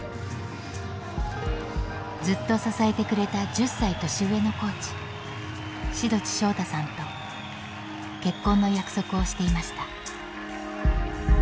ずっと支えてくれた１０歳年上のコーチ志土地翔大さんと結婚の約束をしていました。